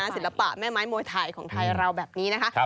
ศิลปะแม่ไม้มวยไทยของไทยเราแบบนี้นะคะ